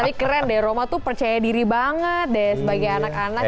ini keren deh roma tuh percaya diri banget deh sebagai anak anak